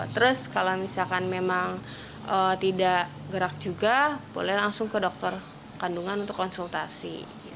terus kalau misalkan memang tidak gerak juga boleh langsung ke dokter kandungan untuk konsultasi